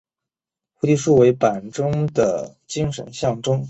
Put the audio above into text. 菩提树为板中的精神象征。